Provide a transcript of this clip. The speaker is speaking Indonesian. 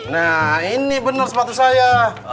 nah ini benar sepatu saya